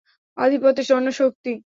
আধিপত্যের জন্য শক্তি।